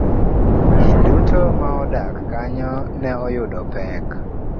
Ji duto ma odak kanyo ne oyudo pek.